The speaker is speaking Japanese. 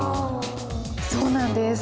そうなんです。